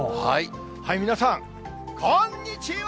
はい、皆さん、こんにちは。